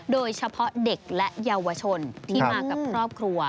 โดยเฉพาะเด็กและเยาวชนที่มากับครอบครัว